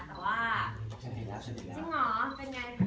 แต่ว่าจริงเหรอเป็นไงคะ